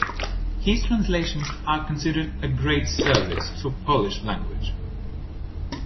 His translations are considered a "great service" for Polish language.